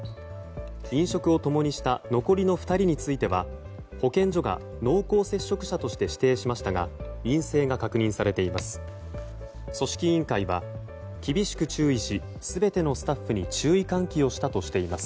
飲食を共にした残りの２人については保健所が濃厚接触者として指定しましたが陰性が確認されています。